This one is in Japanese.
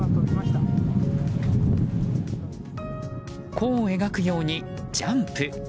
弧を描くようにジャンプ。